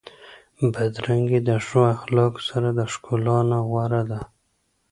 بدرنګي د ښو اخلاقو سره د ښکلا نه غوره ده.